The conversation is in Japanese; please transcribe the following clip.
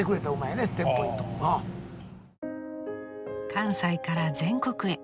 関西から全国へ。